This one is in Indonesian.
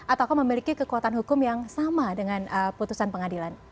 ataukah memiliki kekuatan hukum yang sama dengan putusan pengadilan